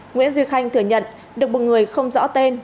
nguyễn duy khanh thừa nhận được một người không rõ tên